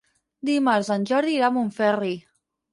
Dimarts en Jordi irà a Montferri.